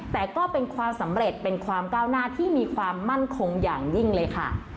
แต่ก็เป็นความสำเร็จเป็นความก้าวหน้าที่มีความมั่นคงอย่างยิ่งเลยค่ะ